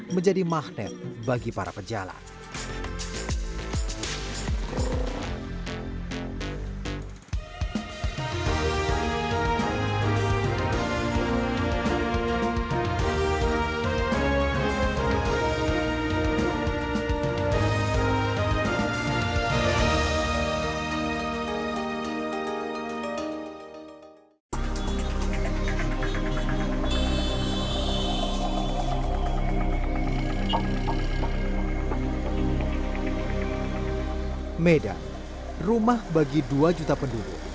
menjadi magnet bagi para pejalan